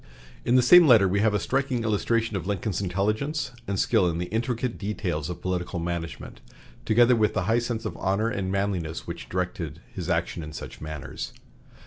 In the same letter we have a striking illustration of Lincoln's intelligence and skill in the intricate details of political management, together with the high sense of honor and manliness which directed his action in such matters.